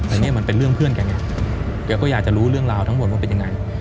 อันนี้มันเป็นเรื่องเพื่อนแกไงแกก็อยากจะรู้เรื่องราวทั้งหมดว่าเป็นยังไง